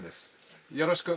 「よろしく」。